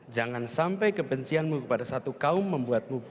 jangan sampai kebencianmu kepada satu kaum membuatmu